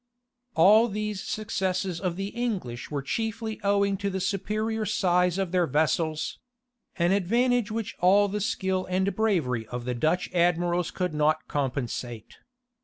All these successes of the English were chiefly owing to the superior size of their vessels; an advantage which all the skill and bravery of the Dutch admirals could not compensate.